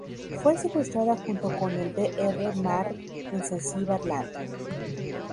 Fue secuestrada junto con el Dr. Marv en Zanzíbar Land.